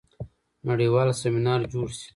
نړیوال سیمینار جوړ شي.